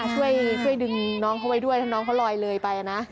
ช่วยดึงน้องเขาไว้ด้วยถ้าน้องเขาลอยเลยไปนะ